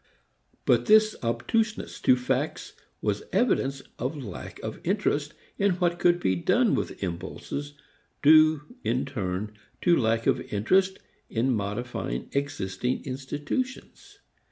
But this obtuseness to facts was evidence of lack of interest in what could be done with impulses, due, in turn, to lack of interest in modifying existing institutions.